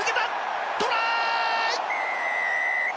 トライ！